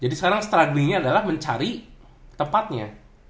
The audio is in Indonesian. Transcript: jadi sekarang struggling nya adalah mencari tempatnya